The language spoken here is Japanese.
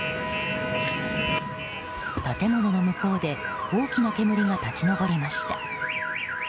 建物の向こうで大きな煙が立ち上りました。